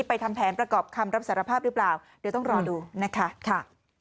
ทำแผนประกอบคำรับสารภาพหรือเปล่าเดี๋ยวต้องรอดูนะคะค่ะ